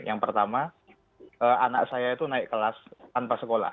yang pertama anak saya itu naik kelas tanpa sekolah